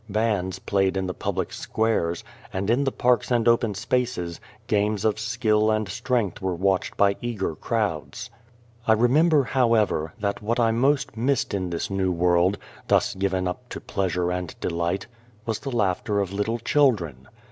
Bands played in the public squares ; and, in the parks and open spaces, games of skill and strength were watched by eager crowds. I remember, however, that what I most missed in this new world, thus given up to 245 A World pleasure and delight, was the laughter of little children.